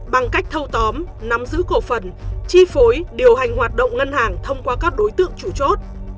bằng cách thâu tóm nắm giữ cổ phần chi phối điều hành hoạt động ngân hàng thông qua các đối tượng chủ chốt